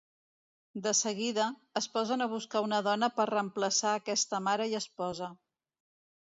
De seguida, es posen a buscar una dona per reemplaçar aquesta mare i esposa.